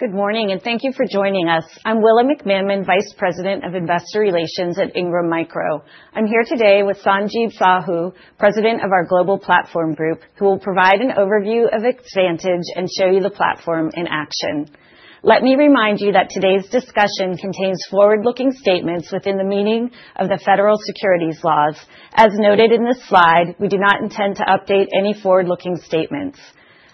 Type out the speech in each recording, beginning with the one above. Good morning and thank you for joining us. I'm Willa McManmon, Vice President of Investor Relations at Ingram Micro. I'm here today with Sanjeev Sahu, President of our Global Platform Group, who will provide an overview of Ingram Micro Xvantage and show you the platform in action. Let me remind you that today's discussion contains forward-looking statements within the meaning of the federal securities laws. As noted in this slide, we do not intend to update any forward-looking statements.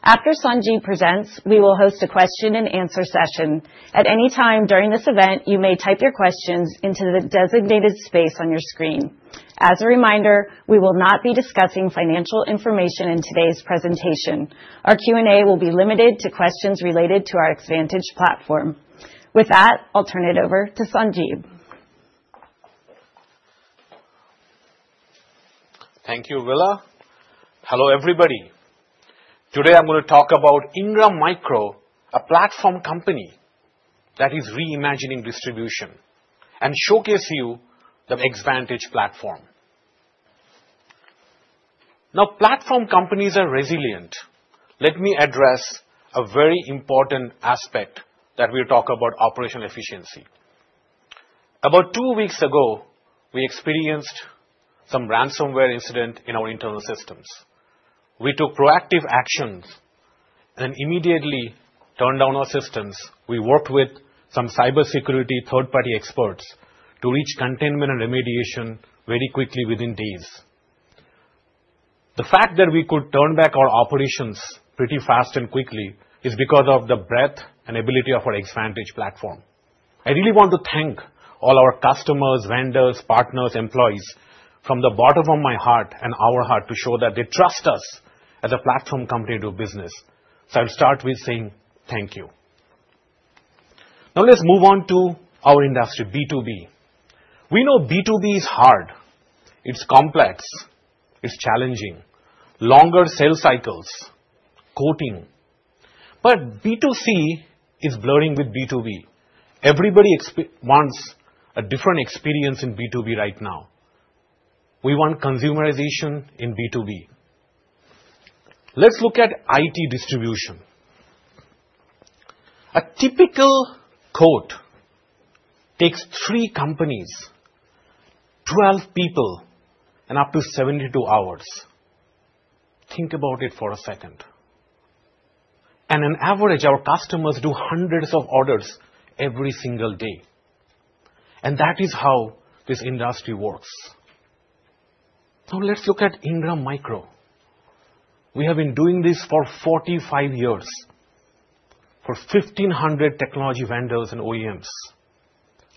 After Sanjeev presents, we will host a question and answer session. At any time during this event, you may type your questions into the designated space on your screen. As a reminder, we will not be discussing financial information in today's presentation. Our Q&A will be limited to questions related to our Ingram Micro Xvantage platform. With that, I'll turn it over to Sanjeev. Thank you, Willa. Hello everybody. Today I'm going to talk about Ingram Micro, a platform company that is reimagining distribution and showcase you the Xvantage platform. Now, platform companies are resilient. Let me address a very important aspect that we talk about: operation efficiency. About two weeks ago we experienced some ransomware incident in our internal systems. We took proactive actions and immediately turned down our systems. We worked with some cybersecurity third-party experts to reach containment and remediation very quickly within days. The fact that we could turn back our operations pretty fast and quickly is because of the breadth and ability of our Xvantage platform. I really want to thank all our customers, vendors, partners, employees from the bottom of my heart and our heart to show that they trust us as a platform company to do business. I'll start with saying thank you. Now let's move on to our industry. B2B. We know B2B is hard, it's complex, it's challenging. Longer sales cycles. Quoting. B2C is blurring with B2B. Everybody wants a different experience in B2B right now. We want consumerization in B2B. Let's look at it. Distribution. A typical quote takes three companies, 12 people, and up to 72 hours. Think about it for a second. On average our customers do hundreds of orders every single day. That is how this industry works. Now let's look at Ingram Micro. We have been doing this for 45 years for 1,500 technology vendors and OEMs,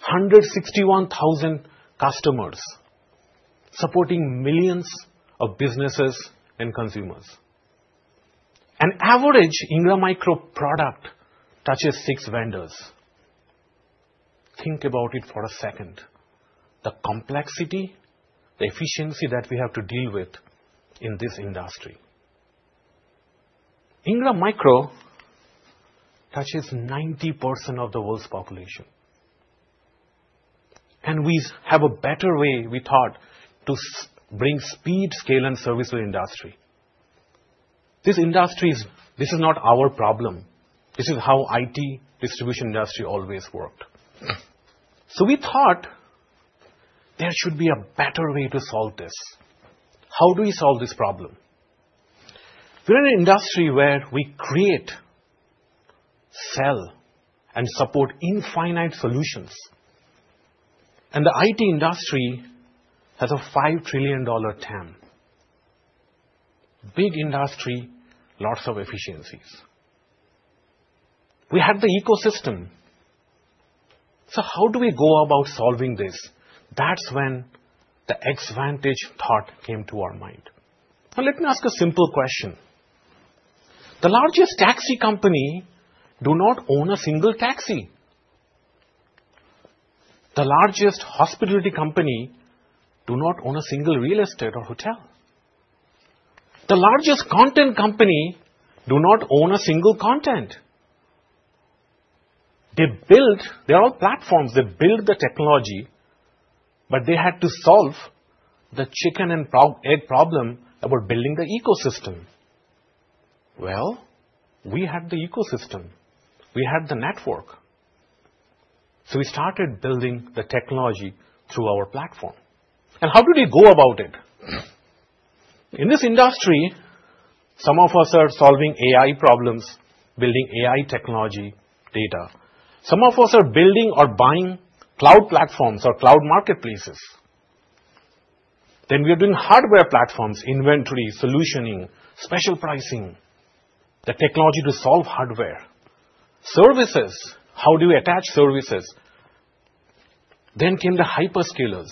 161,000 customers, supporting millions of businesses and consumers. An average Ingram Micro product touches six vendors. Think about it for a second. The complexity, the efficiency that we have to deal with in this industry. Ingram Micro touches 90% of the world's population. We have a better way, we thought, to bring speed, scale, and service to the industry. This industry, this is not our problem. This is how IT distribution industry always worked. We thought there should be a better way to solve this. How do we solve this problem? We're in an industry where we create, sell, and support infinite solutions. The IT industry has a $5 trillion TAM, big industry, lots of efficiencies. We had the ecosystem. How do we go about solving this? That's when the Xvantage thought came to our mind. Let me ask a simple question. The largest taxi company does not own a single taxi. The largest hospitality company does not own a single real estate or hotel. The largest content company does not own a single content. They build, they are all platforms, they build the technology. They had to solve the chicken and egg problem about building the ecosystem. We had the ecosystem, we had the network. We started building the technology through our platform. How did we go about it in this industry? Some of us are solving AI problems, building AI technology, data. Some of us are building or buying cloud platforms or cloud marketplaces. We are doing hardware platforms, inventory solutioning, special pricing, the technology to solve hardware services. How do you attach services? The hyperscalers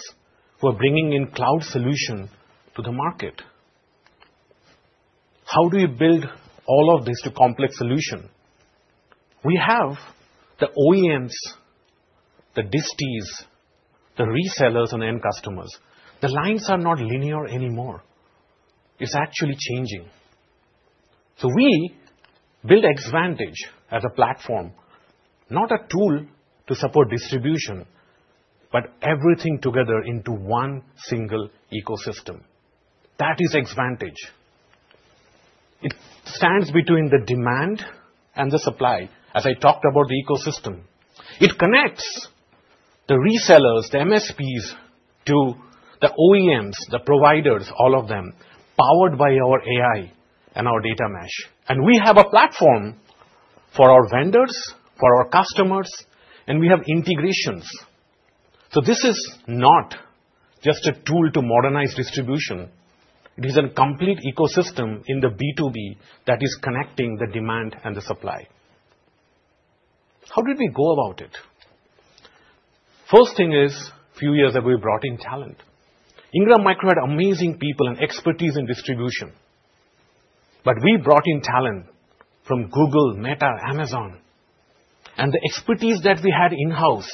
are bringing in cloud solution to the market. How do you build all of this to complex solution? We have the OEMs, the DIs, the resellers and end customers. The lines are not linear anymore, it's actually changing. We build Xvantage as a platform, not a tool to support distribution, but everything together into one solution, single ecosystem. That is Xvantage. It stands between the demand and the supply. As I talked about the ecosystem, it connects the resellers, the MSPs to the OEMs, the providers, all of them powered by our AI and our data mesh. We have a platform for our vendors, for our customers and we have integrations. This is not just a tool to modernize distribution. It is a complete ecosystem in the B2B that is connecting the demand and the supply. How did we go about it? First thing is, a few years ago we brought in talent. Ingram Micro had amazing people and expertise in distribution. We brought in talent from Google, Meta, Amazon. The expertise that we had in house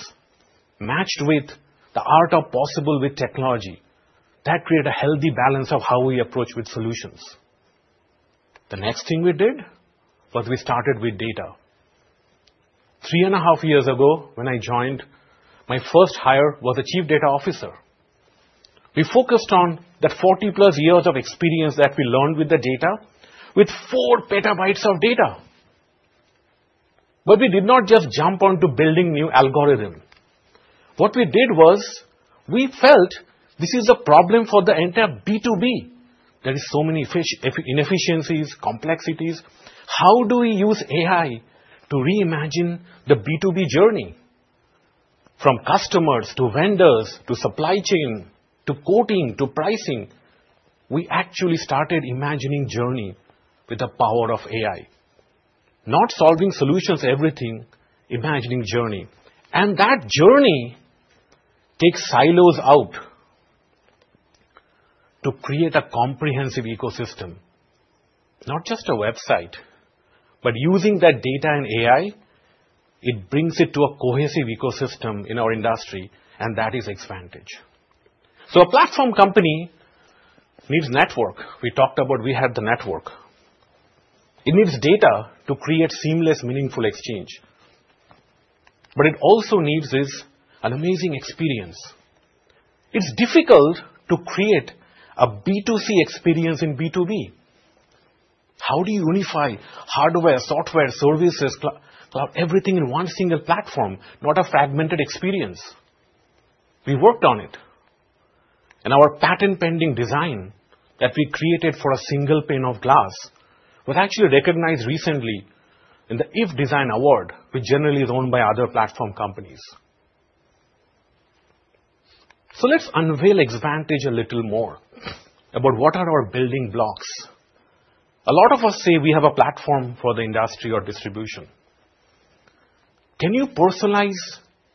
matched with the art of possible with technology that created a healthy balance of how we approach with solutions. The next thing we did was we started with data three and a half years ago when I joined, my first hire was a Chief Data Officer. We focused on that 40+ years of experience that we learned with the data with 4 petabytes of data. We did not just jump onto building new algorithm. What we did was we felt this is a problem for the entire B2B. There are so many inefficiencies, complexities. How do we use AI to reimagine the B2B journey from customers to vendors, to supply chain, to quoting to pricing. We actually started imagining journey with the power of AI, not solving solutions, everything imagining journey. That journey takes silos out to create a comprehensive ecosystem. Not just a website, but using that data and AI, it brings it to a cohesive ecosystem in our industry and that is expanded. A platform company needs network. We talked about, we had the network. It needs data to create seamless, meaningful exchange. What it also needs is an amazing experience. It's difficult to create a B2C experience in B2B. How do you unify hardware, software, services, everything in one single platform, not a fragmented experience? We worked on it, and our patent pending design that we created for a single pane of glass was actually recognized recently in the iF Design Award, which generally is owned by other platform companies. Let's unveil Xvantage a little more about what are our building blocks. A lot of us say we have a platform for the industry or distribution. Can you personalize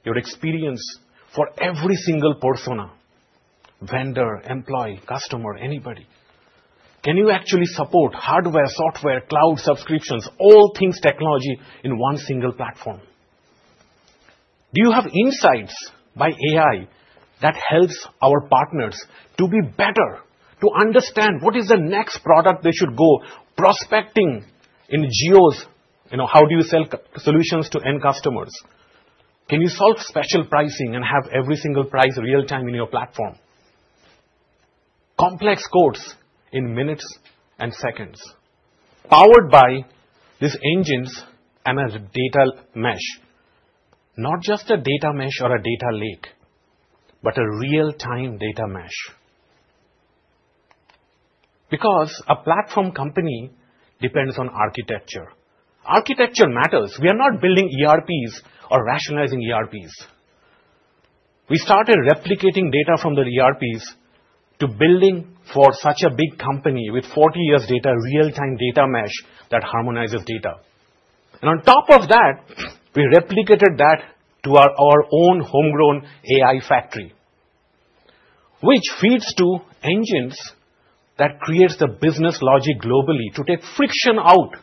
your experience for every single persona, vendor, employee, customer, anybody? Can you actually support hardware, software, cloud, subscriptions, all things technology in one single platform? Do you have insights by AI that helps our partners to be better? To understand what is the next product they should go prospecting in geos. You know, how do you sell solutions to end customers? Can you solve special pricing and have every single price real time in your platform? Complex codes in minutes and seconds powered by these engines and a data mesh. Not just a data mesh or a data lake, but a real time data mesh. A platform company depends on architecture. Architecture matters. We are not building ERPs or rationalizing ERPs. We started replicating data from the ERPs to building for such a big company with 40 years' data. Real time data mesh that harmonizes data. On top of that, we replicated that to our own homegrown AI factory, which feeds to engines that create the business logic globally. To take friction out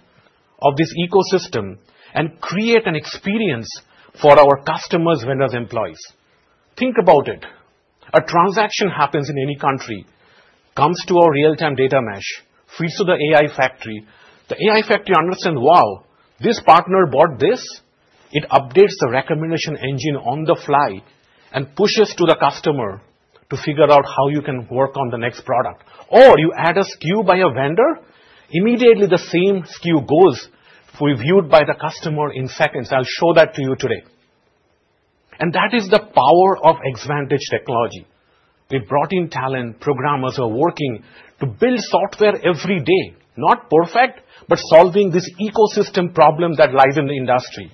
of this ecosystem and create an experience for our customers, vendors, employees. Think about it. A transaction happens in any country, comes to our real time data mesh, feeds to the AI factory. The AI factory understands. Wow. This partner bought this. It updates the recommendation engine on the fly and pushes to the customer to figure out how you can work on the next product. Or you add a SKU by a vendor immediately. The same SKU goes reviewed by the customer in seconds. I'll show that to you today. That is the power of Xvantage technology. They brought in talent. Programmers are working to build software every day. Not perfect, but solving this ecosystem problem that lies in the industry.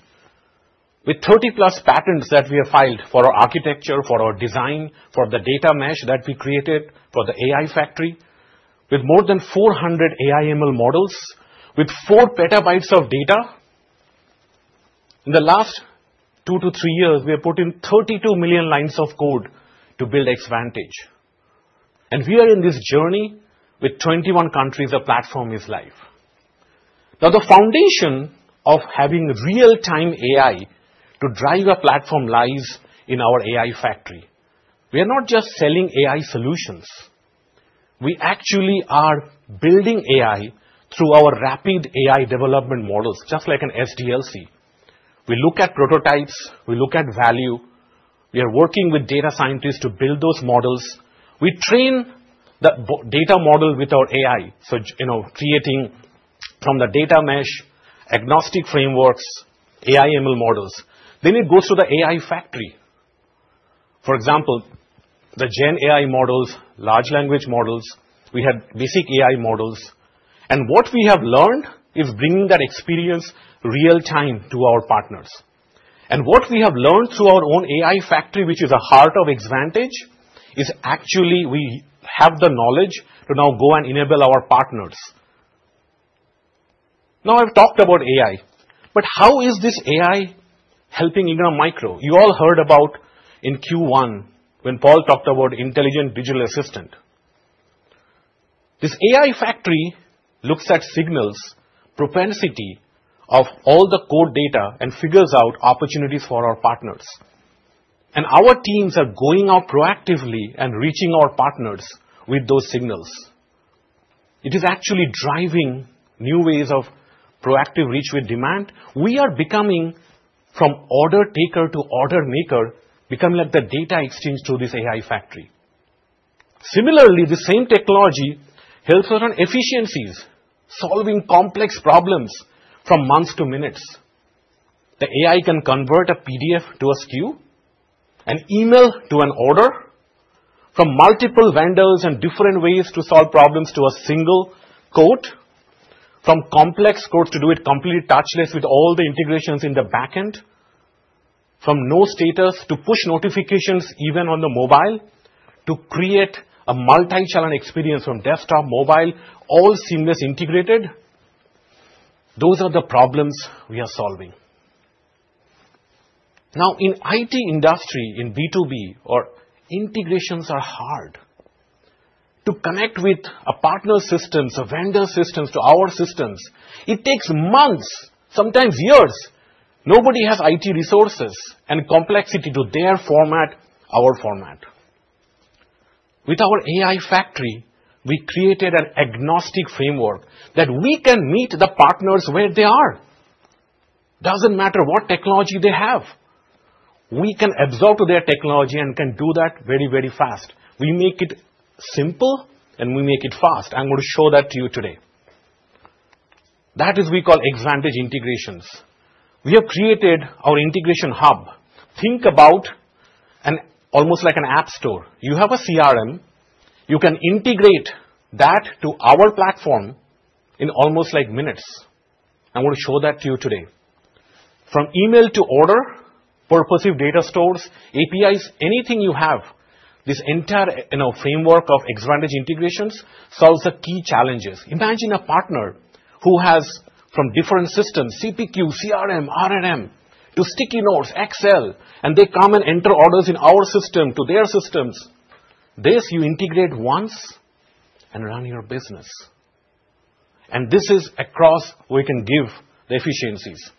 With 30+ patents that we have filed for our architecture, for our design, for the data mesh that we created, for the AI factory, with more than 400 AI ML models, with 4 petabytes of data, in the last two to three years we have put in 32 million lines of code to build Ingram Micro Xvantage, and we are in this journey with 21 countries. The platform is live now. The foundation of having real-time AI to drive a platform lies in our AI factory. We are not just selling AI solutions, we actually are building AI through our rapid AI development models. Just like an SDLC, we look at prototypes, we look at value, we are working with data scientists to build those models. We train the data model with our AI. Creating from the data mesh, agnostic frameworks, AI ML models, then it goes to the AI factory. For example, the gen AI models, large language models, we had basic AI models. What we have learned is bringing that experience real-time to our partners. What we have learned through our own AI factory, which is the heart of Ingram Micro Xvantage, is actually we have the knowledge to now go and enable our partners. Now I've talked about AI, but how is this AI helping Ingram Micro? You all heard about in Q1 when Paul Bay talked about intelligent digital assistant. This AI factory looks at signals, propensity of all the core data, and figures out opportunities for our partners. Our teams are going out proactively and reaching our partners with those signals. It is actually driving new ways of proactive reach with demand. We are becoming from order taker to order maker, become like the data exchange through this AI factory. Similarly, the same technology helps us on efficiencies, solving complex problems from months to minutes. The AI can convert a PDF to a SKU, an email to an order from multiple vendors, and different ways to solve problems to a single code, from complex codes to do it completely touchless with all the integrations in the backend. From no status to push notifications, even on the mobile, to create a multi-channel experience from desktop, mobile. All seamless, integrated. Those are the problems we are solving now in IT industry. In B2B, integrations are hard to connect with a partner systems, a vendor system to our systems. It takes months, sometimes years. Nobody has IT resources and complexity to their format, our format. With our AI factory, we created an agnostic framework that we can meet the partners where they are. Doesn't matter what technology they have. We can absorb to their technology and can do that very, very fast. We make it simple, and we make it fast. I'm going to show that to you today. That is what we call Xvantage integrations. We have created our integration hub. Think about it almost like an app store. You have a CRM, you can integrate that to our platform in almost like minutes. I want to show that to you today. From email to order, purpose of data stores, APIs, anything you have. This entire framework of Xvantage integrations solves the key challenges. Imagine a partner who has from different systems, CPQ, CRM, RMM to sticky notes, Excel, and they come and enter orders in our system to their systems. This, you integrate once and run your business. This is across, we can give the efficiencies.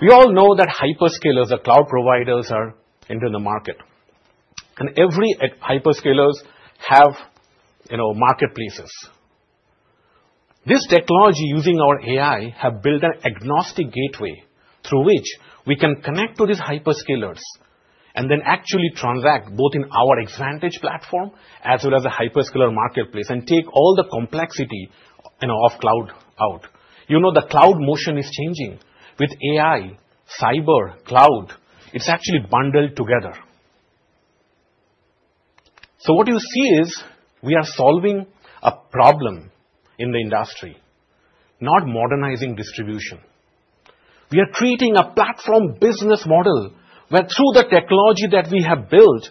We all know that hyperscalers or cloud providers are entering the market, and every hyperscaler has marketplaces. This technology, using our AI, has built an agnostic gateway through which we can connect to these hyperscalers and then actually transact both in our Xvantage platform as well as a hyperscaler marketplace and take all the complexity of cloud out. You know, the cloud motion is changing with AI, cyber, cloud. It's actually bundled together. What you see is we are solving a problem in the industry, not modernizing distribution. We are treating a platform business model where, through the technology that we have built,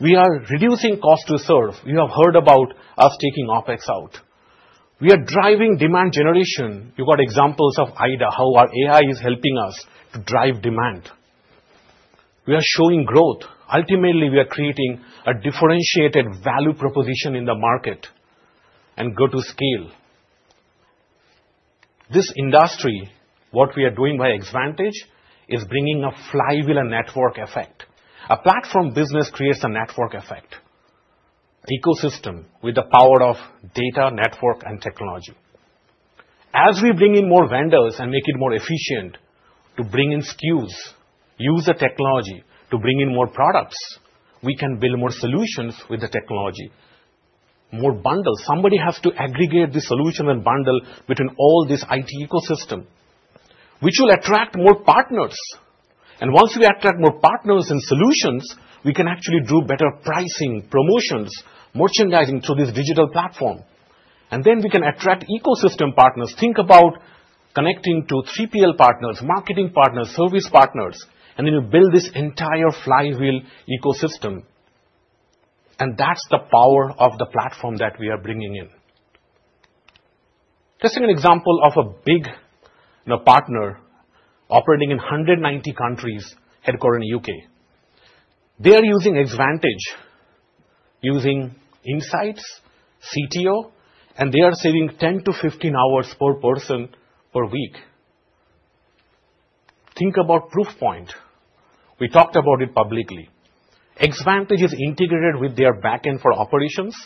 we are reducing cost to serve. You have heard about us taking OpEx out. We are driving demand generation. You got examples of IDA, how our AI is helping us to drive demand. We are showing growth. Ultimately, we are creating a differentiated value proposition in the market and go to scale this industry. What we are doing by Xvantage is bringing a flywheel and network effect. A platform business creates a network effect ecosystem with the power of data, network, and technology. As we bring in more vendors and make it more efficient to bring in SKUs, use our technology to bring in more products, we can build more solutions with the technology, more bundles. Somebody has to aggregate the solution and bundle between all these IT ecosystem, which will attract more partners. Once we attract more partners and solutions, we can actually do better pricing, promotions, merchandising through this digital platform. We can attract ecosystem partners. Think about connecting to three PL partners, marketing partners, service partners, and then you build this entire flywheel ecosystem. That's the power of the platform that we are bringing in. Just an example of a big partner operating in 190 countries, headquartered in the UK. They are using Ingram Micro Xvantage, using Insights CTO, and they are saving 10% to 15% hours per person per week. Think about Proofpoint. We talked about it publicly. Ingram Micro Xvantage is integrated with their backend for operations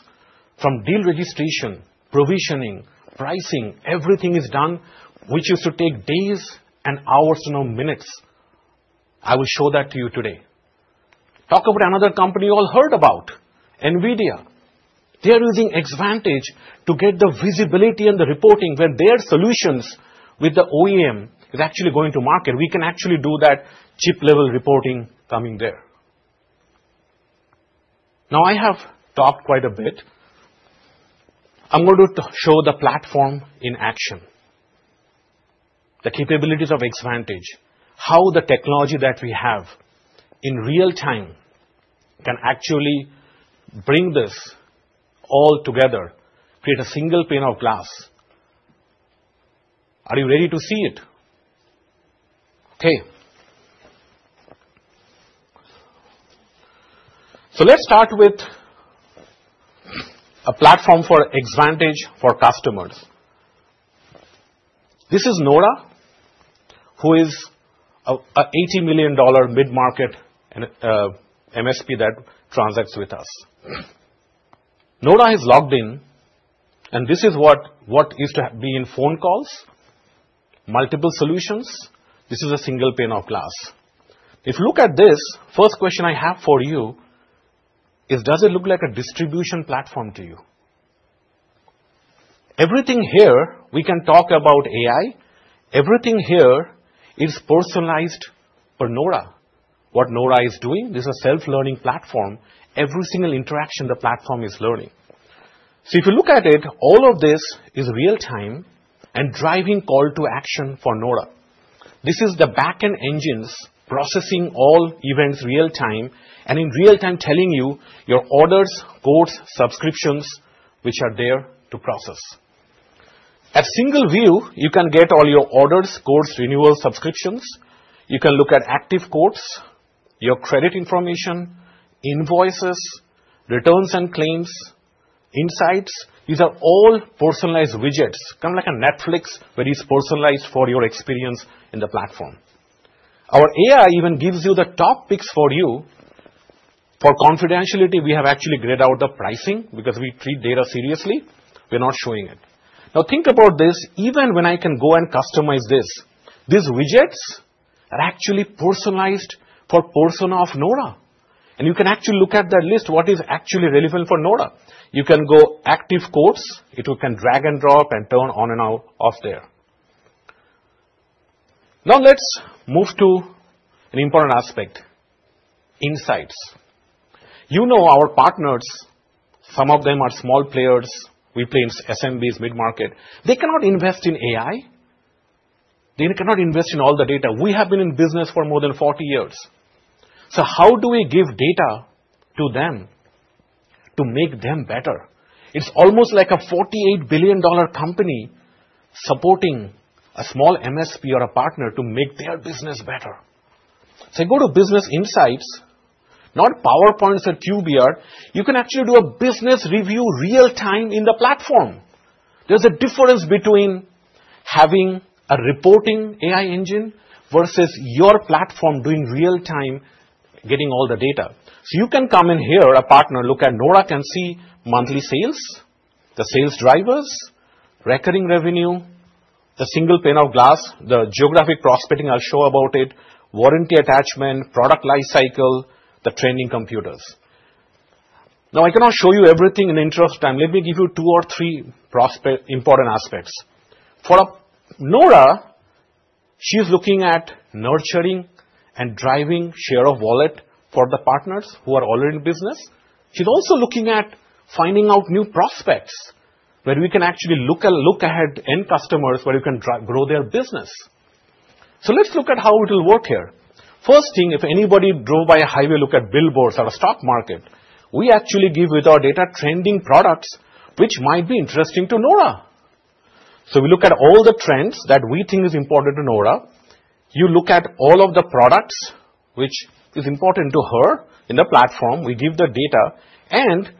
from deal registration, provisioning, pricing. Everything is done, which used to take days and hours to now minutes. I will show that to you today. Talk about another company. You all heard about NVIDIA. They are using Ingram Micro Xvantage to get the visibility and the reporting. When their solutions with the OEM is actually going to market, we can actually do that chip-level reporting coming there. Now, I have talked quite a bit. I'm going to show the platform in action, the capabilities of Ingram Micro Xvantage, how the technology that we have in real time can actually bring this all together, create a single pane of glass. Are you ready to see it? Okay, so let's start with a platform for Ingram Micro Xvantage for customers. This is Nora, who is an $80 million mid-market MSP that transacts with us. Nora is logged in, and this is what used to be in phone calls, multiple solutions. This is a single pane of glass. If you look at this, first question I have for you is does it look like a distribution platform to you? Everything here we can talk about AI. Everything here is personalized for Nora, what Nora is doing. This is a self-learning platform. Every single interaction, the platform is learning. If you look at it, all of this is real time and driving call to action for Nora. This is the backend engines processing all events real time and in real time telling you your orders, quotes, subscriptions, which are there to process at single view. You can get all your orders, quotes, renewals, subscriptions. You can look at active quotes, your credit information, invoices, returns, and claims insights. These are all personalized widgets, kind of like a Netflix-like, but it's personalized for your experience in the platform. Our AI even gives you the top picks for you. For confidentiality, we have actually grayed out the pricing because we treat data seriously, we're not showing it. Now think about this. Even when I can go and customize this, these widgets are actually personalized for Persona of Nora and you can actually look at that list, what is actually relevant for Nora. You can go active course. It can drag and drop and turn on and off of there. Now, let's move to an important aspect: Insights. You know our partners, some of them are small players. We play in SMBs, mid market. They cannot invest in AI. They cannot invest in all the data. We have been in business for more than 40 years. How do we give data to them to make them better? It's almost like a $48 billion company supporting a small MSP or a partner to make their business better. Go to business insights, not PowerPoints or QBR. You can actually do a business review real time in the platform. There's a difference between having a reporting AI engine versus your platform doing real time, getting all the data. You can come in here, a partner look at Nora can see monthly sales, the sales drivers, recurring revenue, the single pane of glass, the geographic prospecting. I'll show about it. Warranty, attachment, product lifecycle, the training computers. Now, I cannot show you everything in the interest of time. Let me give you two or three important aspects for Nora. She's looking at nurturing and driving share of wallet for the partners who are already in business. She's also looking at finding out new prospects where we can actually look ahead, end customers where you can grow their business. Let's look at how it will work here. First thing, if anybody drove by a highway, look at billboards or a stock market, we actually give with our data trending products which might be interesting to Nora. We look at all the trends that we think is important to Nora. You look at all of the products which is important to her. In the platform, we give the data and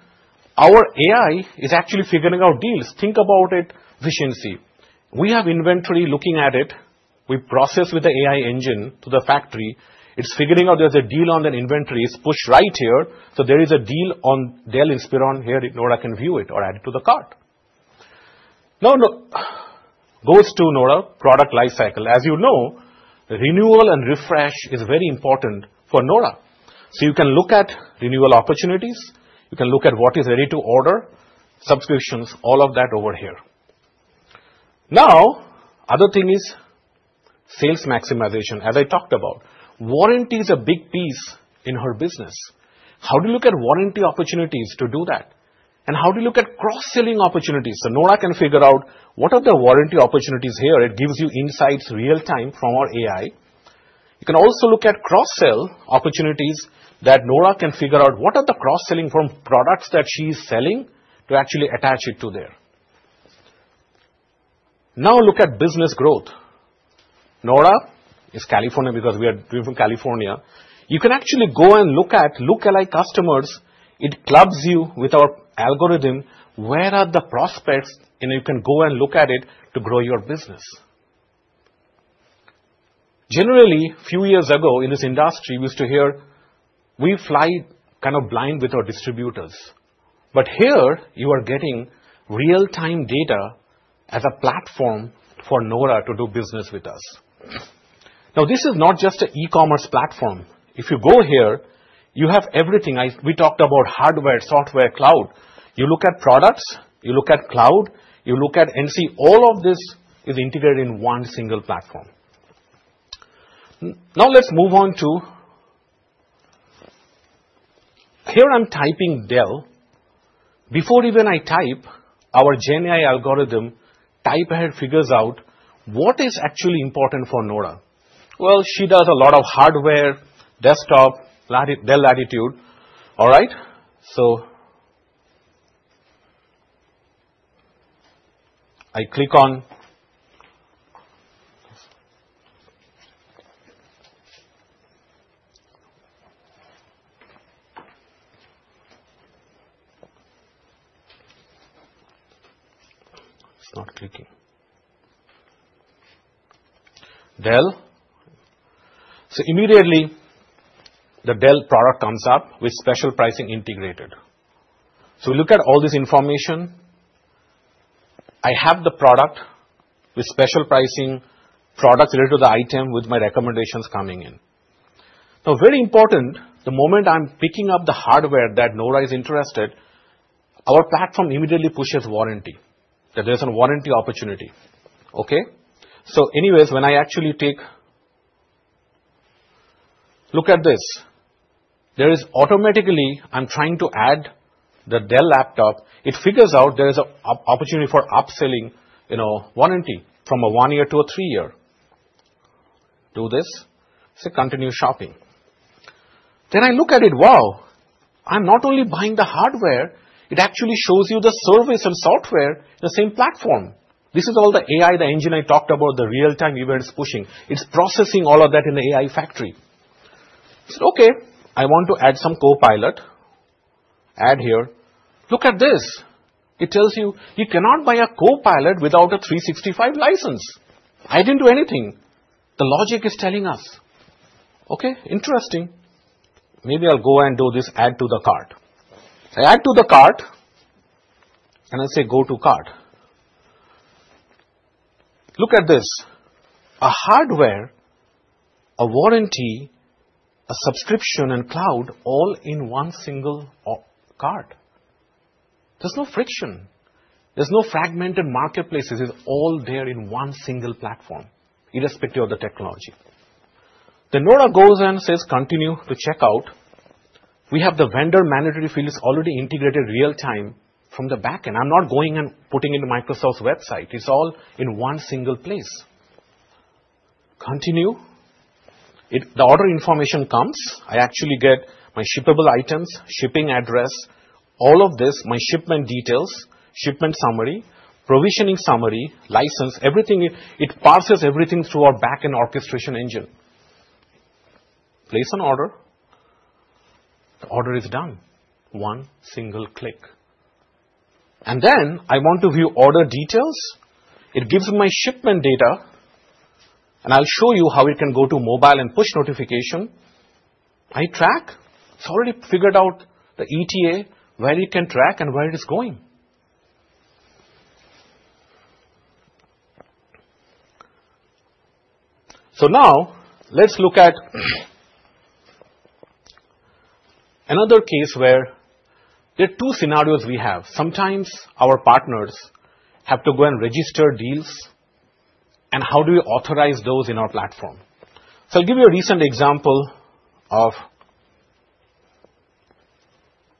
our AI is actually figuring out deals. Think about it. Efficiency. We have inventory, looking at it. We process with the AI engine to the factory. It's figuring out there's a deal on an inventory. It's pushed right here. There is a deal on Dell Inspiron here. Nora can view it or add it to the cart. Now goes to Nora. Product lifecycle. As you know, renewal and refresh is very important for Nora. You can look at renewal opportunities, you can look at what is ready to order, subscriptions, all of that over here. Now, other thing is sales maximization as I talked about, warranty is a big piece in her business. How do you look at warranty opportunities to do that? How do you look at cross selling opportunities? Nora can figure out what are the warranty opportunities here. It gives you insights real time from our AI. You can also look at cross sell opportunities that Nora can figure out. What are the cross selling from products that she's selling to actually attach it to there. Now look at business growth. Nora is California, because we are from California. You can actually go and look at lookalike customers and it clubs you with our algorithm. Where are the prospects? You can go and look at it to grow your business generally. A few years ago in this industry we used to hear we fly kind of blind with our distributors. Here you are getting real time data as a platform for Nora to do business with us. This is not just an e-commerce platform. If you go here you have everything we talked about: hardware, software, cloud. You look at products, you look at cloud, you look at NC. All of this is integrated in one single platform. Now let's move on to here. I'm typing Del. Before I even type, our GenAI algorithm type ahead figures out what is actually important for Nora. She does a lot of hardware. Desktop, Dell Latitude. I click on, not clicking Dell. Immediately the Dell product comes up with special pricing integrated. Look at all this information. I have the product with special pricing, products related to the item with my recommendations coming in now. Very important, the moment I'm picking up the hardware that Nora is interested in, our platform immediately pushes warranty that there's a warranty opportunity. When I actually take a look at this, there is automatically, I'm trying to add the Dell laptop, it figures out there is an opportunity for upselling, you know, warranty from a one year to a three year. Do this, say continue shopping. I look at it. I'm not only buying the hardware, it actually shows you the service and software on the same platform. This is all the AI, the engine I talked about, the real time events pushing, it's processing all of that in the AI factory. I want to add some Copilot add here, look at this. It tells you you cannot buy a Copilot without a 365 license. I didn't do anything. The logic is telling us. Interesting. Maybe I'll go and do this. Add to the cart. I add to the cart and I say go to cart. Look at this. A hardware, a warranty, a subscription, and cloud all in one single cart. There's no friction, there's no fragmented marketplaces. It's all there in one single platform, irrespective of the technology. The NORA goes and says continue to checkout. We have the vendor mandatory fields already integrated real time from the back end. I'm not going and putting into Microsoft's website. It's all in one single place. Continue, the order information comes. I actually get my shippable items, shipping address, all of this, my shipment details, shipment summary, provisioning summary, license, everything. It parses everything through our backend orchestration engine. Place an order, the order is done. One single click, and then I want to view order details. It gives my shipment data, and I'll show you how it can go to mobile and push notification. I track. It's already figured out the ETA, where it can track and where it is going. Now let's look at another case where there are two scenarios we have. Sometimes our partners have to go and register deals, and how do we authorize those in our platform. I'll give you a recent example of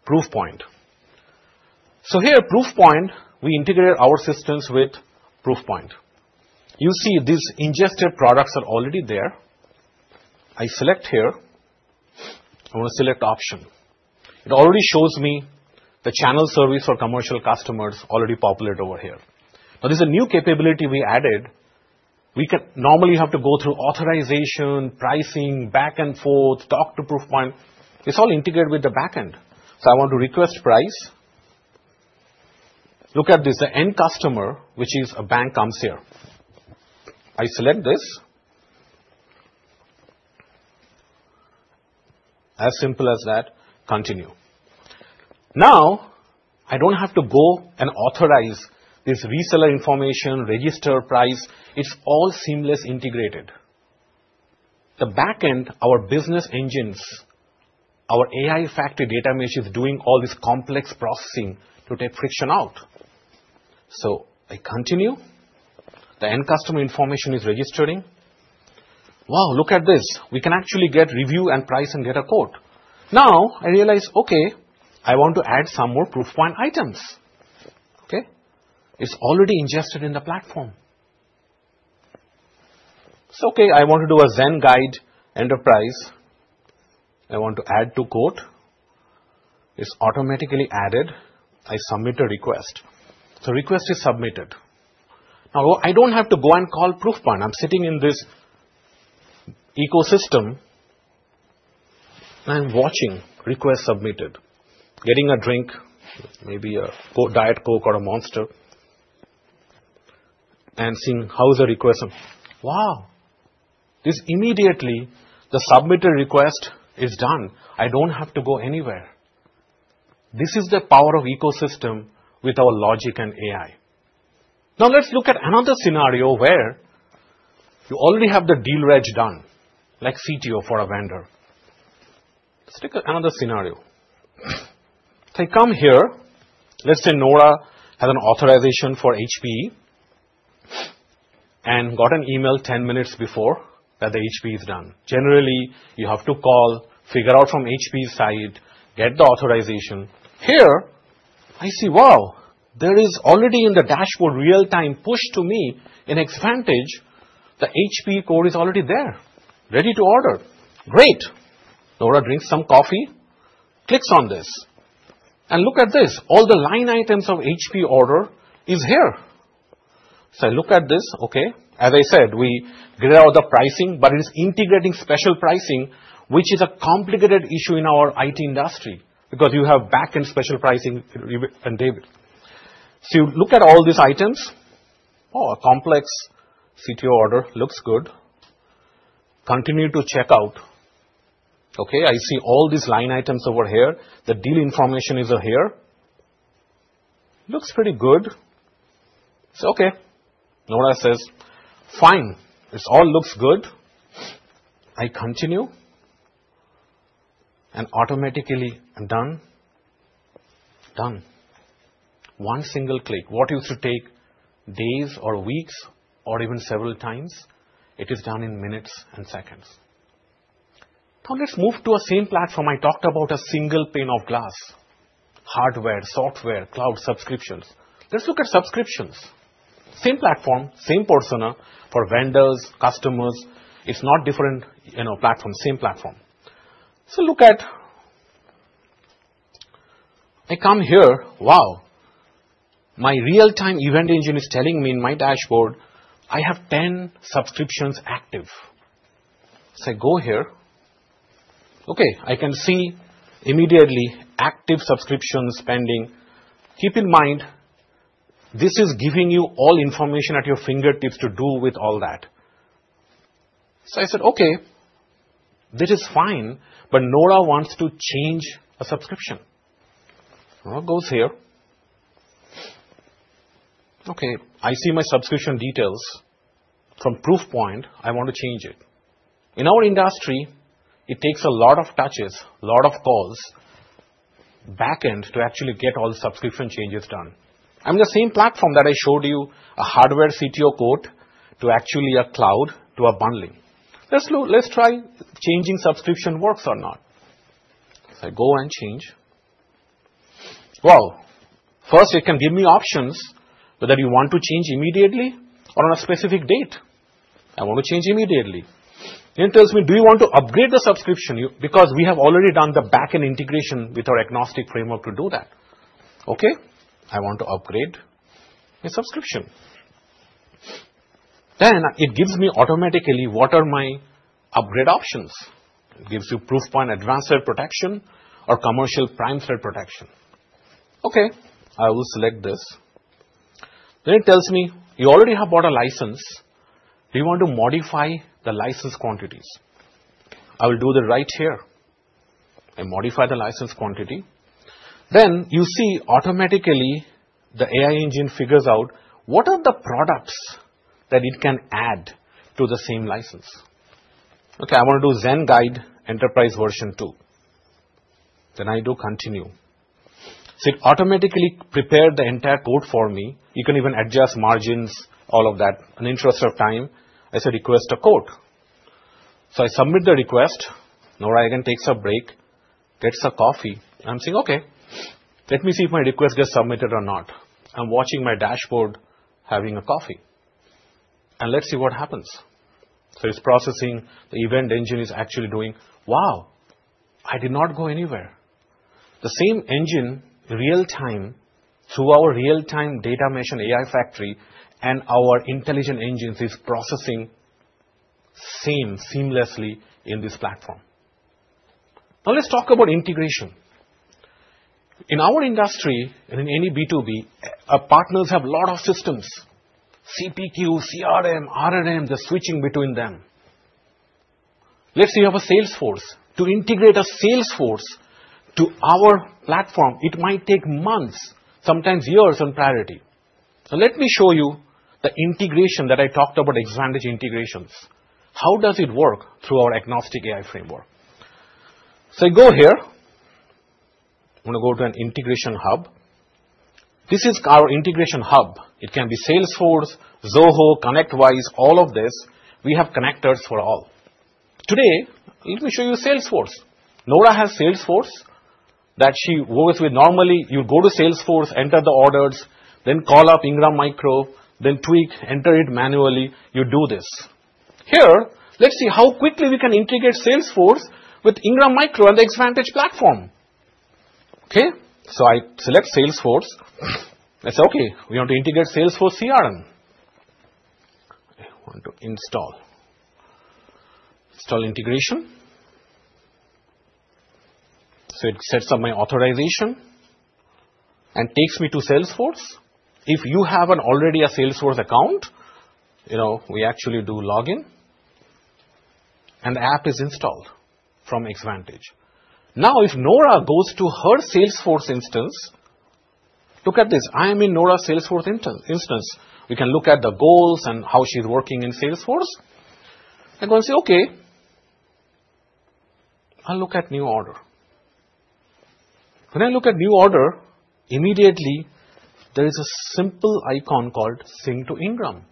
Proofpoint. Here at Proofpoint, we integrated our systems with Proofpoint. You see these ingested products are already there. I select here. I want to select option. It already shows me the channel service for commercial customers already populated over here. Now there's a new capability we added. We normally have to go through authorization, pricing, back and forth, talk to Proofpoint. It's all integrated with the backend. I want to request price. Look at this. The end customer, which is a bank, comes here. I select this. As simple as that. Continue. Now I don't have to go and authorize this reseller information, register price. It's all seamless, integrated. The backend, our business engines, our AI factory, data mesh is doing all this complex processing to take friction out. I continue. The end customer information is registering. Wow, look at this. We can actually get review and price and get a quote. Now I realize, okay, I want to add some more Proofpoint items. It's already ingested in the platform. Okay, I want to do a Zen guide enterprise. I want to add to quote. It's automatically added. I submit a request. The request is submitted. Now I don't have to go and call Proofpoint. I'm sitting in this ecosystem. I'm watching requests submitted, getting a drink, maybe a Diet Coke or a Monster, and seeing how is the request. Wow, this immediately the submitted request is done. I don't have to go anywhere. This is the power of ecosystem with our logic and AI. Now let's look at another scenario where you already have the deal reg done like CTO for a vendor. Let's take another scenario. I come here. Let's say Nora has an authorization for HPE and got an email 10 minutes before that the HPE is done. Generally you have to call, figure out from HPE's site, get the authorization. Here I see, wow. There is already in the dashboard, real time pushed to me in Xvantage. The HPE core is already there, ready to order. Great. Nora drinks some coffee, clicks on this and look at this. All the line items of HP order is here. I look at this. Okay, as I said, we get out the pricing, but it is integrating special pricing which is a complicated issue in our IT industry because you have back end special pricing. David, you look at all these items. Oh, a complex CTO order looks good. Continue to check out. Okay, I see all these line items over here. The deal information is here. Looks pretty good. Notice this. Fine. This all looks good. I continue and automatically I'm done. Done. One single click. What used to take days or weeks or even several times. It is done in minutes and seconds. Now let's move to a same platform. I talked about a single pane of glass, hardware, software, cloud, subscriptions. Let's look at subscriptions. Same platform, same persona for vendors, customers. It's not different platform, same platform. I come here. Wow. My real time event engine is telling me in my dashboard I have 10 subscriptions active. Say go here. I can see immediately active subscription spending. Keep in mind this is giving you all information at your fingertips to do with all that. I said okay, this is fine. Nora wants to change a subscription. Nora goes here. I see my subscription details from Proofpoint. I want to change it. In our industry it takes a lot of touches, lot of calls backend to actually get all subscription changes done. I'm the same platform that I showed you a hardware CTO quote to actually a cloud to a bundling. Let's try changing subscription works or not. I go and change. First it can give me options whether you want to change immediately or on a specific date. I want to change immediately. It tells me do you want to upgrade the subscription? Because we have already done the backend integration with our agnostic framework to do that. Okay, I want to upgrade the subscription. Then it gives me automatically what are my upgrade options. It gives you Proofpoint Advanced Threat Protection or Commercial Prime Threat Protection. Okay, I will select this. Then it tells me you already have bought a license. Do you want to modify the license quantities? I will do the right here and modify the license quantity. Then you see automatically the AI engine figures out what are the products that it can add to the same license. Okay, I want to do Zen Guide Enterprise version 2. I do continue. It automatically prepared the entire code for me. You can even adjust margins, all of that in interest of time. I say request a quote. I submit the request. Nora again takes a break, gets a coffee. I'm saying, okay, let me see if my request gets submitted or not. I'm watching my dashboard having a coffee and let's see what happens. It's processing. The event engine is actually doing. Wow, I did not go anywhere. The same engine real time through our real time data mesh and AI factory and our intelligent engines is processing same seamlessly in this platform. Now let's talk about integration. In our industry and in any B2B, our partners have lot of systems. CPQ, CRM, RMM, the switching between them. Let's say you have a Salesforce. To integrate a Salesforce to our platform, it might take months, sometimes years on priority. Let me show you the integration that I talked about. Xvantage integrations, how does it work through our agnostic AI framework. I go here, I'm going to go to an integration hub. This is our integration hub. It can be Salesforce, Zoho, ConnectWise, all of this. We have connectors for all today. Let me show you Salesforce. Nora has Salesforce that she works with. Normally you go to Salesforce, enter the orders, then call up Ingram Micro, then tweak, enter it manually. You do this here. Let's see how quickly we can integrate Salesforce with Ingram Micro and the Xvantage platform. Okay, I select Salesforce. I say, okay, we want to integrate Salesforce CRM, want to install integration. It sets up my authorization and takes me to Salesforce. If you have already a Salesforce account, you know we actually do login and app is installed from Xvantage. Now if Nora goes to her Salesforce instance, look at this. I am in Nora's Salesforce instance. We can look at the goals and how she's working in Salesforce. I'm going to say, okay, I'll look at new order. When I look at new order, immediately there is a simple icon called sync to Ingram.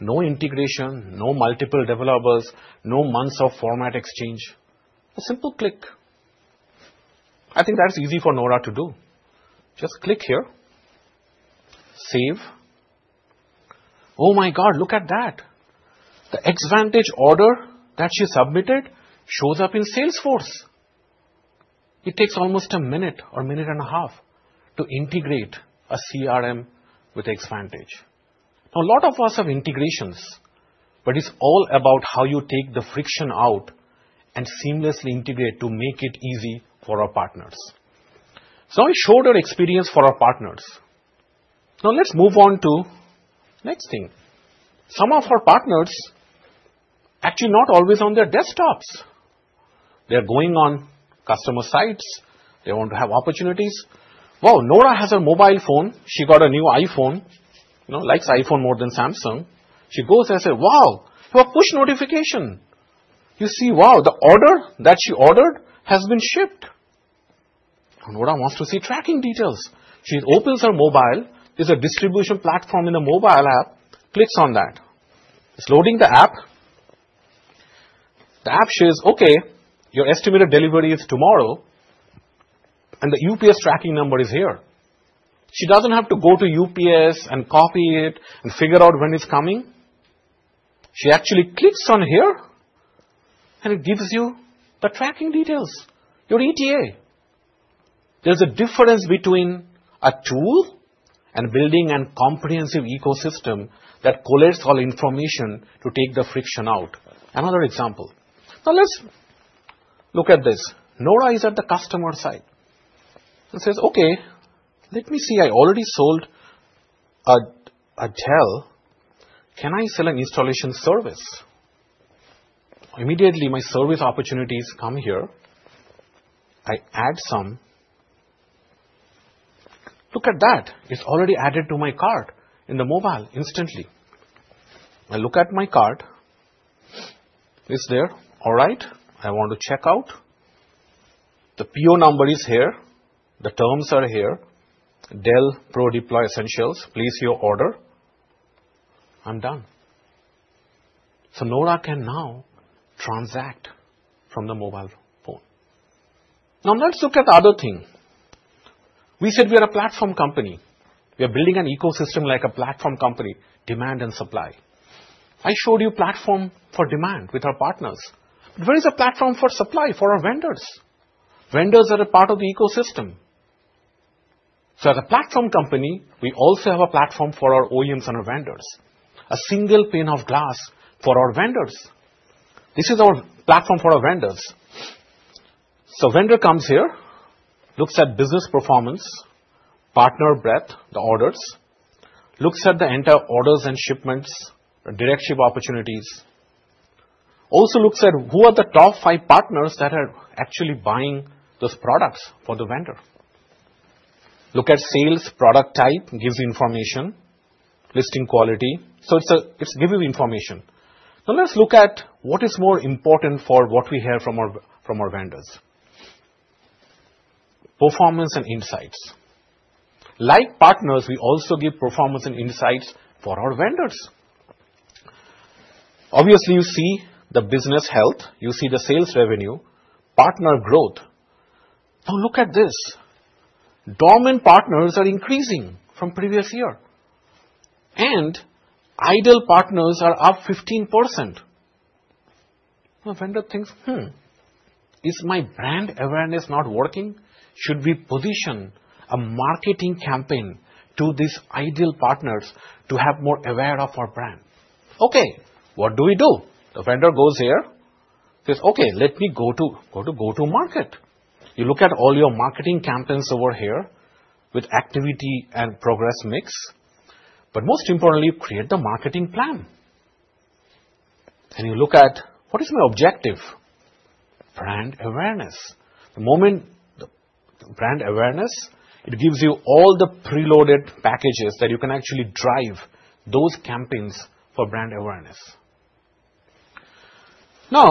No integration, no multiple developers, no months of format exchange. A simple click. I think that's easy for Nora to do. Just click here, save, oh my God, look at that. The Xvantage order that she submitted shows up in Salesforce. It takes almost a minute or minute and a half to integrate a CRM with Xvantage. Now, a lot of us have integrations, but it's all about how you take the friction out and seamlessly integrate to make it easy for our partners. I showed our experience for our partners. Now let's move on to next thing. Some of our partners actually not always on their desktops. They're going on customer sites, they want to have opportunities. Nora has her mobile phone. She got a new iPhone. Likes iPhone more than Samsung. She goes and says, wow, push notification. You see, wow. The order that she ordered has been shipped. Nora wants to see tracking details. She opens her mobile. There's a distribution platform in a mobile app. Clicks on that, it's loading the app. The app says, okay, your estimated delivery is tomorrow. The UPS tracking number is here. She doesn't have to go to UPS and copy it and figure out when it's coming. She actually clicks on here and it gives you the tracking details, your ETA. There's a difference between a tool and building a comprehensive ecosystem that collates all information to take the friction out. Another example. Now let's look at this. Nora is at the customer site and says, okay, let me see. I already sold a Dell. Can I sell an installation service immediately? My service opportunities come here. I add some. Look at that. It's already added to my cart in the mobile. Instantly, I look at my cart, it's there. All right. I want to check out. The PO number is here. The terms are here. Dell ProDeploy Essentials. Place your order. I'm done. Nora can now transact from the mobile. Now let's look at other things. We said we are a platform company. We are building an ecosystem like a platform company, demand and supply. I showed you platform for demand with our partners. Where is a platform for supply for our vendors? Vendors are a part of the ecosystem. As a platform company, we also have a platform for our OEMs and our vendors. A single pane of glass for our vendors. This is our platform for our vendors. Vendor comes here, looks at business performance, partner breadth, the orders, looks at the entire orders and shipments. Direct ship opportunities also, looks at who are the top five partners that are actually buying those products for the vendor. Look at sales. Product type gives information, listing quality. It gives you information. Now let's look at what is more important for what we hear from our vendors: performance and insights. Like partners, we also give performance and insights for our vendors. Obviously, you see the business health, you see the sales revenue, partner growth. Now look at this. Dormant partners are increasing from previous year and ideal partners are up 15%. Vendor thinks, is my brand awareness not working? Should we position a marketing campaign to these ideal partners to have more aware of our brand? What do we do? The vendor goes there. Let me go to go to market. You look at all your marketing campaigns over here with activity and progress mix. Most importantly, you create the marketing plan and you look at what is my objective: brand awareness, the moment. Brand awareness. It gives you all the preloaded packages that you can actually drive those campaigns for brand awareness. Now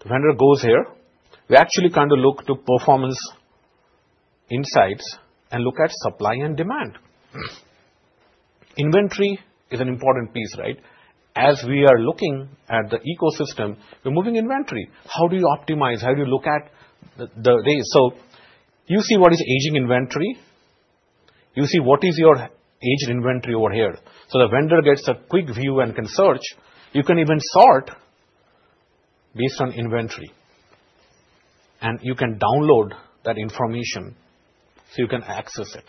the vendor goes here, we actually kind of look to performance insights and look at supply and demand. Inventory is an important piece. Right as we are looking at the ecosystem, we're moving inventory. How do you optimize? How do you look at the rate? You see what is aging inventory, you see what is your aged inventory over here. The vendor gets a quick view and can search. You can even sort based on inventory and you can download that information so you can access it.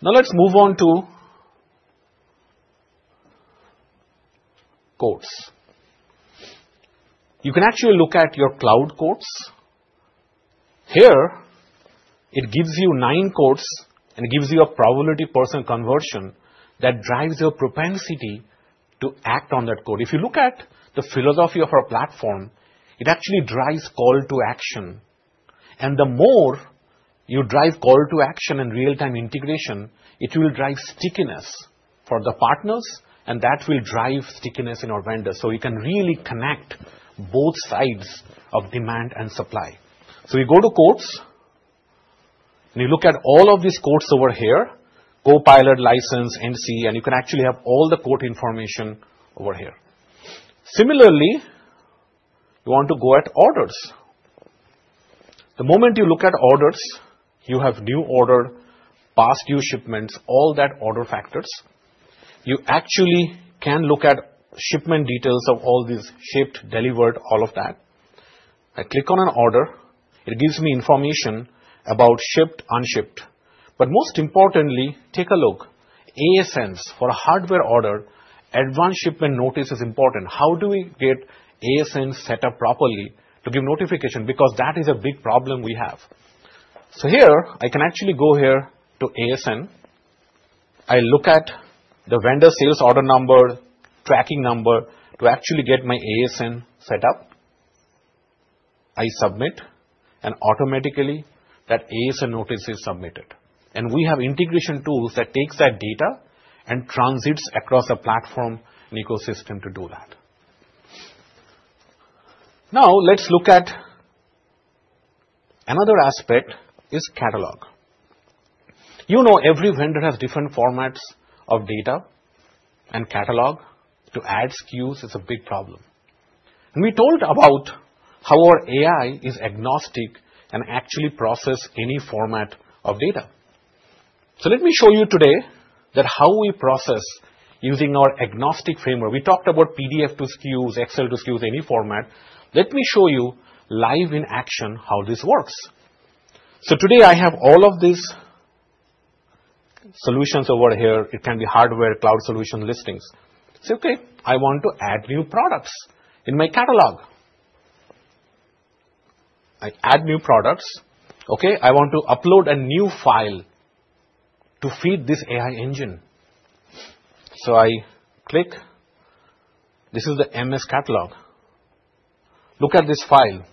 Now let's move on to codes. You can actually look at your cloud codes here. It gives you nine codes and gives you a probability % conversion that drives your propensity to act on that code. If you look at the philosophy of our platform, it actually drives call to action. The more you drive call to action and real time integration, it will drive stickiness for the partners and that will drive stickiness in our vendors. You can really connect both sides of demand and supply. You go to quotes and you look at all of these quotes over here, Copilot license North, and you can actually have all the quote information over here. Similarly, you want to go at orders. The moment you look at orders, you have new order, past due shipments, all that order factors. You actually can look at shipment details of all these shipped, delivered, all of that. I click on an order, it gives me information about shipped, unshipped. Most importantly, take a look, ASNs for hardware order, advance shipment notice is important. How do we get ASN set up properly to give notification? That is a big problem we have. Here I can actually go here to ASN. I look at the vendor sales order number, tracking number to actually get my ASN set up. I submit and automatically that ASN notice is submitted. We have integration tools that take that data and transit across a platform ecosystem to do that. Now let's look at another aspect, catalog. You know every vendor has different formats of data and catalog. To add SKUs is a big problem. We told about how our AI is agnostic and actually processes any format of data. Let me show you today how we process using our agnostic framework. We talked about PDF to SKUs, Excel to SKUs, any format. Let me show you live in action how this works. Today I have all of these solutions over here. It can be hardware, cloud solution listings. Say, okay, I want to add new products in my catalog, I add new products. I want to upload a new file to feed this AI engine. I click, this is the MS catalog. Look at this file.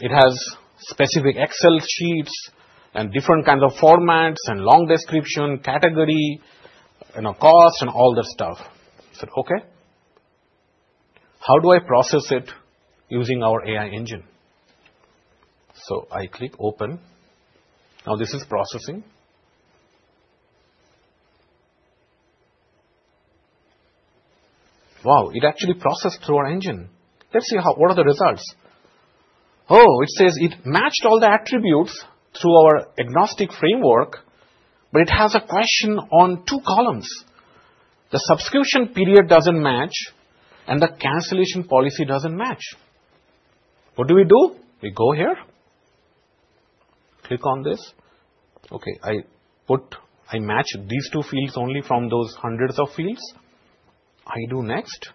It has specific Excel sheets and different kinds of formats and long description, category, and a cost and all that stuff. How do I process it using our AI engine? I click open. Now this is processing. Wow. It actually processed through our engine. Let's see, what are the results? Oh, it says it matched all the attributes through our agnostic framework, but it has a question on two columns. The subscription period doesn't match and the cancellation policy doesn't match. What do we do? I go here, click on this. Okay. I match these two fields only from those hundreds of fields. I do next.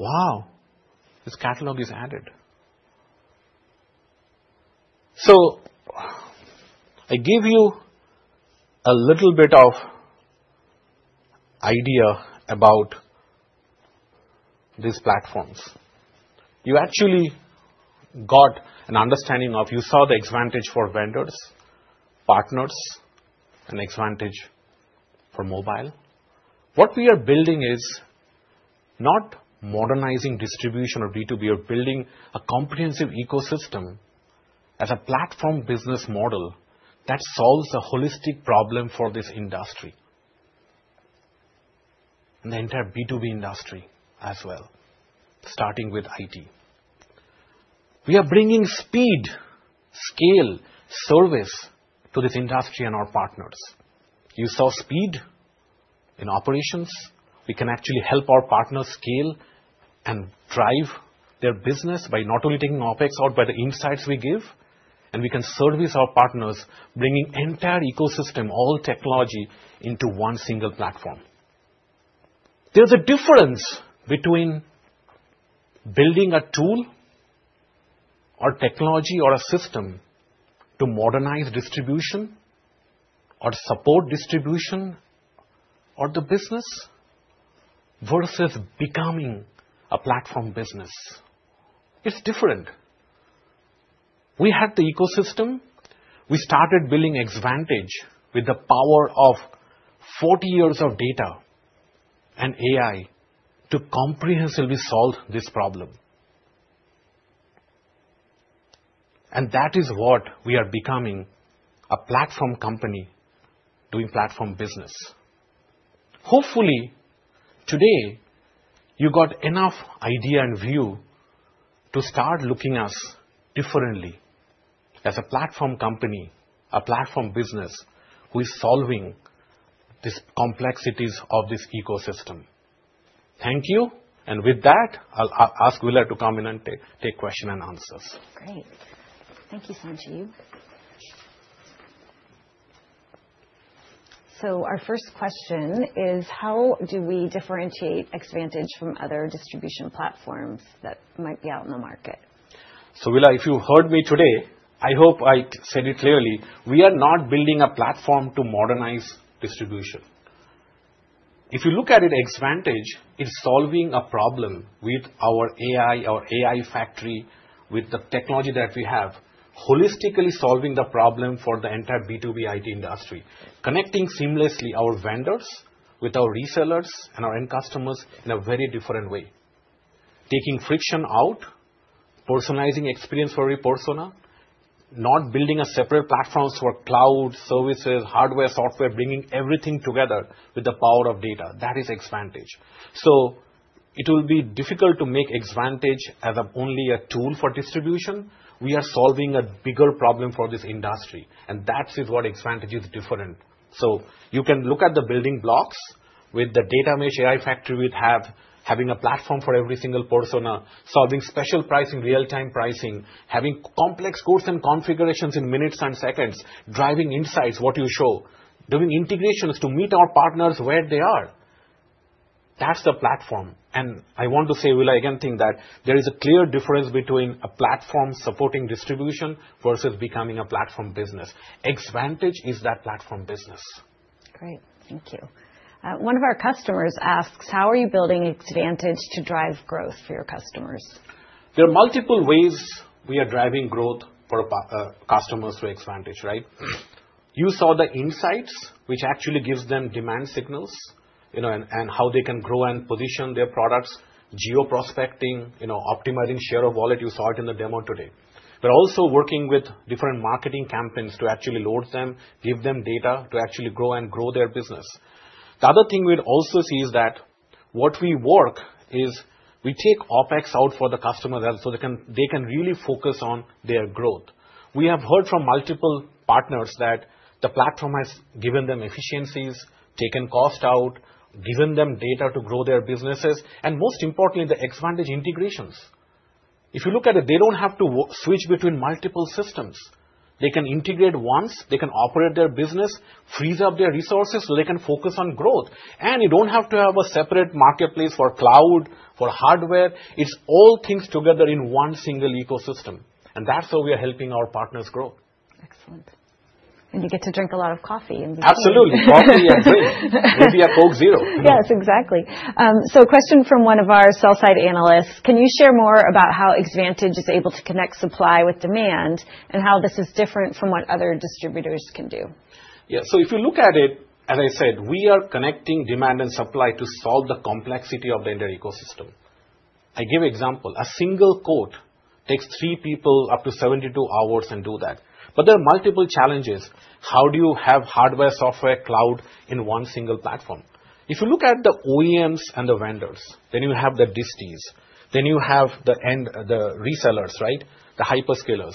Wow, this catalog is added. I gave you a little bit of idea about these platforms. You actually got an understanding of. You saw the Xvantage for vendors, partners, and Xvantage for mobile. What we are building is not modernizing distribution or B2B. You're building a comprehensive ecosystem as a platform business model that solves a holistic problem for this industry and the entire B2B industry as well. Starting with it, we are bringing speed, scale, service to this industry and our partners. You saw speed in operations. We can actually help our partners scale and drive their business by not only taking OpEx out by the insights we give, and we can service our partners for bringing entire ecosystem, all technology into one single platform. There's a difference between building a tool or technology or a system to modernize distribution or support distribution or the business versus becoming a platform business. It's different. We had the ecosystem. We started building Xvantage with the power of 40 years of data and AI to comprehensively solve this problem. That is what we are becoming, a platform company doing platform business. Hopefully today you got enough idea and view to start looking at us differently as a platform company, a platform business who is solving these complexities of this ecosystem. Thank you. With that, I'll ask Willa to come in and take questions and answers. Great. Thank you, Sanjeev. Our first question is how do we differentiate Xvantage from other distribution platforms that might be out in the market? Willa, if you heard me today, I hope I said it clearly. We are not building a platform to modernize distribution. If you look at it, Ingram Micro Xvantage is solving a problem with our AI, our AI factory with the technology that we have, holistically solving the problem for the entire B2B IT industry, connecting seamlessly our vendors with our resellers and our end customers in a very different way. We are taking friction out, personalizing experience for your persona, not building a separate platform for cloud services, hardware, software, bringing everything together with the power of data. That is Xvantage. It will be difficult to make Xvantage as only a tool for distribution. We are solving a bigger problem for this industry and that is why Xvantage is different. You can look at the building blocks with the data mesh, AI factory we have, having a platform for every single persona, solving special pricing, real-time pricing, having complex quotes and configurations in minutes and seconds, driving insights, what you show, doing integrations to meet our partners where they are, that's the platform. I want to say, Willa, I again think that there is a clear difference between a platform supporting distribution versus becoming a platform business. Xvantage is that platform business. Great, thank you. One of our customers asks, how are you building Xvantage to drive growth for your customers? There are multiple ways we are driving growth for customers to Xvantage. Right. You saw the insights, which actually gives them demand signals and how they can grow and position their products. Geo prospecting, optimizing share of wallet, you saw it in the demo today. We're also working with different marketing campaigns to actually load them, give them data to actually grow and grow their business. The other thing we'd also see is that what we work is we take OpEx out for the customer so they can really focus on their growth. We have heard from multiple partners that the platform has given them efficiencies, taken cost out, given them data to grow their businesses. Most importantly, the Xvantage integrations, if you look at it, they don't have to switch between multiple systems. They can integrate once, they can operate their business, frees up their resources so they can focus on growth. You don't have to have a separate marketplace for cloud, for hardware. It's all things together in one single ecosystem, and that's how we are helping our partners grow. Excellent. You get to drink a lot of coffee. Absolutely. Coffee, you'll be a Coke Zero. Yes, exactly. A question from one of our sell side analysts: Can you share more about how Xvantage is able to connect supply with demand, and how this is different from what other distributors can do? Yeah. If you look at it, as I said, we are connecting demand and supply to solve the complexity of the entire ecosystem. I give example, a single quote takes three people up to 72 hours to do that. There are multiple challenges. How do you have hardware, software, cloud in one single platform? If you look at the OEMs and the vendors, then you have the resellers, right? The hyperscalers.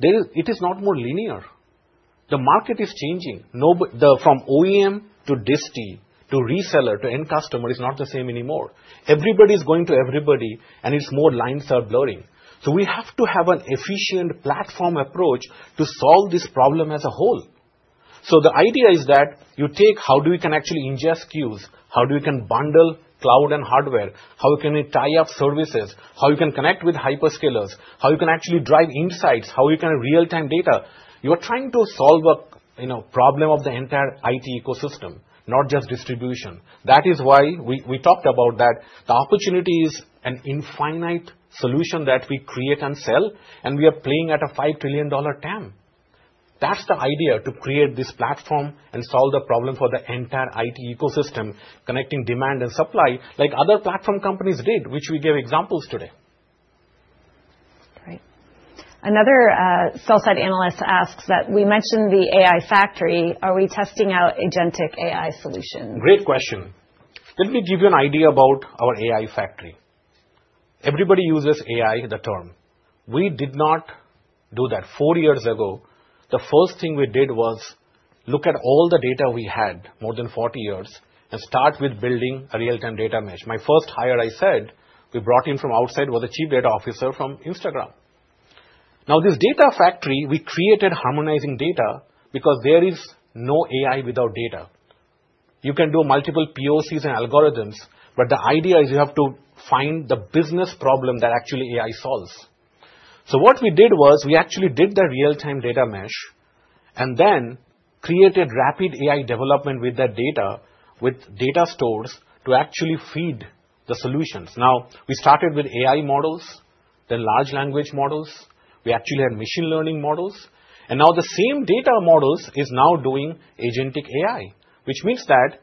It is not more linear. The market is changing from OEM to reseller to end customer; it is not the same anymore. Everybody's going to everybody and more lines are blurring. We have to have an efficient platform approach to solve this problem as a whole. The idea is that you take how do we actually ingest queues, how do we bundle cloud and hardware, how can we tie up services, how you can connect with hyperscalers, how you can actually drive insights, how you can have real-time data. You are trying to solve a problem of the entire IT ecosystem, not just distribution. That is why we talked about that. The opportunity is an infinite solution that we create and sell. We are playing at a $5 trillion TAM. That's the idea, to create this platform and solve the problem for the entire IT ecosystem, connecting demand and supply like other platform companies did, which we gave examples today. Another sell side analyst asks that we mentioned the AI factory. Are we testing out agentic AI solutions? Great question. Let me give you an idea about our AI factory. Everybody uses AI, the term. We did not do that four years ago. The first thing we did was look at all the data we had, more than 40 years, and start with building a real-time data mesh. My first hire, I said, we brought in from outside was the Chief Data Officer from Instagram. Now, this data factory we created harmonizing data because there is no AI without data. You can do multiple PoCs and algorithms. The idea is you have to find the business problem that actually AI solves. What we did was we actually did the real-time data mesh and then created rapid AI development with that data, with data stores to actually feed the solutions. We started with AI models, then large language models, we actually had machine learning models, and now the same data models is now doing agentic AI, which means that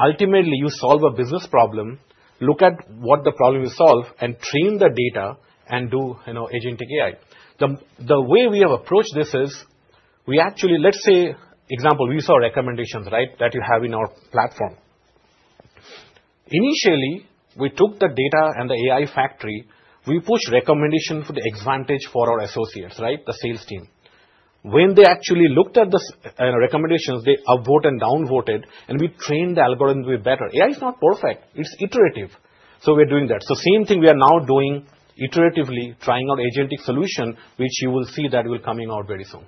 ultimately you solve a business problem, look at what the problem you solve and train the data and do agentic AI. The way we have approached this is we actually, let's say example. We saw recommendations that you have in our platform. Initially, we took the data and the AI factory. We push recommendation for the advantage for our associates, right? The sales team, when they actually looked at the recommendations, they upvoted and downvoted and we trained the algorithm to be better. AI is not perfect, it's iterative. We are doing that. Same thing, we are now doing iteratively, trying out agentic solution, which you will see that will be coming out very soon.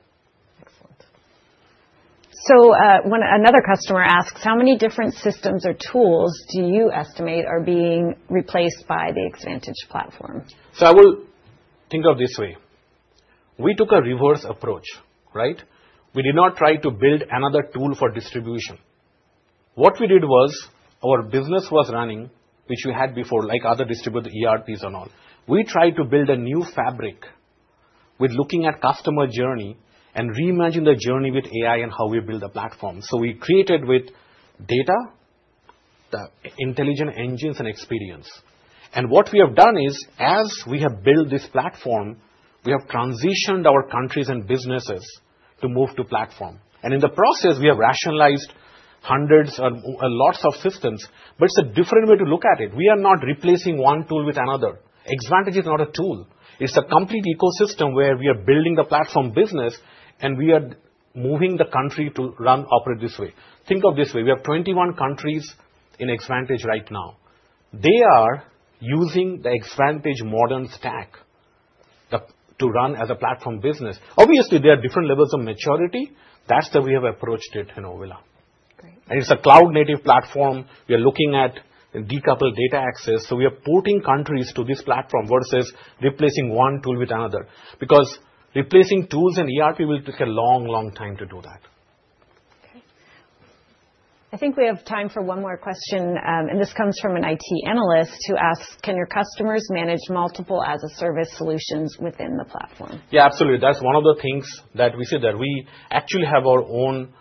Another customer asks, how many different systems or tools do you estimate are being replaced by the Xvantage platform? I will think of it this way. We took a reverse approach, right? We did not try to build another tool for distribution. What we did was our business was running, which we had before, like other distributed ERPs and all. We tried to build a new fabric with looking at customer journey and reimagine the journey with AI and how we build the platform. We created with data, intelligent engines, and experience. What we have done is as we have built this platform, we have transitioned our countries and businesses to move to platform, and in the process we have rationalized hundreds or lots of systems. It's a different way to look at it. We are not replacing one tool with another. Ingram Micro Xvantage is not a tool. It's a complete ecosystem where we are building the platform business, and we are moving the country to run, operate this way. Think of it this way. We have 21 countries in Ingram Micro Xvantage right now. They are using the Ingram Micro Xvantage Modern Stack to run as a platform business. Obviously, there are different levels of maturity. That's the way we have approached it in Ovila. It's a cloud-native platform. We are looking at decoupled data access. We are porting countries to this platform versus replacing one tool with another, because replacing tools and ERP will take a long, long time to do that. I think we have time for one more question, and this comes from an IT analyst who asks, can your customers manage multiple as-a-service solutions within the platform? Yeah, absolutely. That's one of the things that we say, that we actually have our own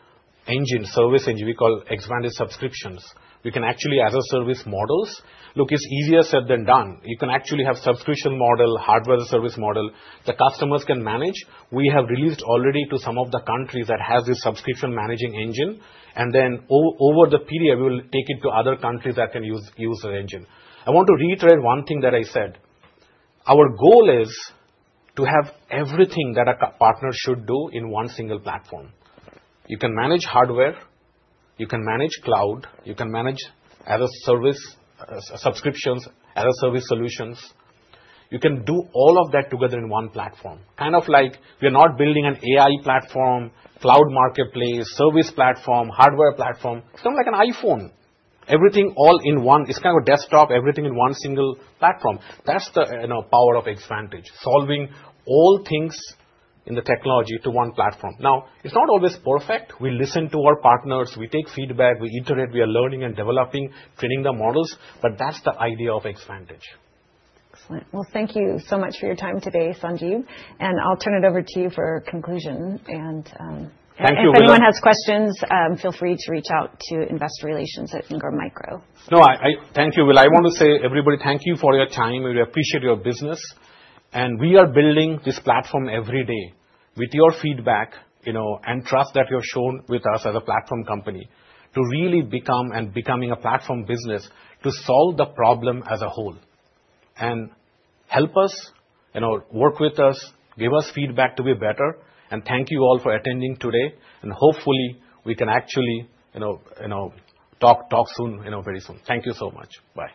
engine, service engine we call Xvantage subscriptions. We can actually do as-a-service models. Look, it's easier said than done. You can actually have subscription model, hardware service model the customers can manage. We have released already to some of the countries that have this subscription managing engine, and then over the period we will take it to other countries that can use the engine. I want to reiterate one thing that I said. Our goal is to have everything that a partner should do in one single platform. You can manage hardware, you can manage cloud, you can manage as-a-service subscriptions, as-a-service solutions. You can do all of that together in one platform. Kind of like we are not building an AI platform, cloud marketplace, service platform, hardware platform, it's kind of like an iPhone, everything, all in one, it's kind of a desktop, everything in one single platform. That's the power of Xvantage, solving all things in the technology to one platform. Now, it's not always perfect. We listen to our partners, we take feedback, we iterate, we are learning and developing, training the models. That's the idea of Xvantage. Excellent. Thank you so much for your time today, Sanjeev, and I'll turn it over to you for conclusion. Thank you. If anyone has questions, feel free to reach out to investor relations at Ingram Micro. No, thank you, Willa. I want to say everybody, thank you for your time. We appreciate your business, and we are building this platform every day with your feedback and trust that you've shown with us as a platform company to really become and becoming a platform business to solve the problem as a whole and help us, work with us, give us feedback to be better. Thank you all for attending today, and hopefully we can actually talk soon, very soon. Thank you so much. Bye.